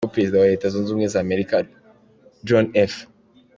Ubwo perezida wa leta zunze ubumwe za Amerika John F.